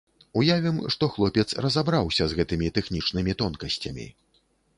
Уявім, што хлопец разабраўся з гэтымі тэхнічнымі тонкасцямі.